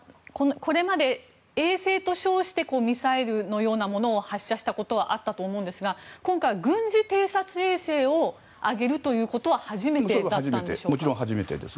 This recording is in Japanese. これまで衛星と称してミサイルのようなものを発射したことはあったと思いますが今回は軍事偵察衛星を上げるということは初めてだったんでしょうか。